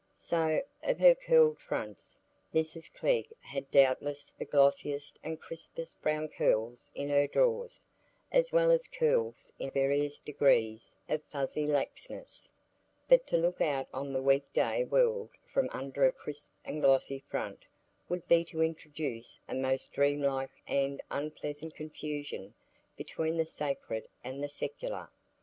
So of her curled fronts: Mrs Glegg had doubtless the glossiest and crispest brown curls in her drawers, as well as curls in various degrees of fuzzy laxness; but to look out on the week day world from under a crisp and glossy front would be to introduce a most dreamlike and unpleasant confusion between the sacred and the secular.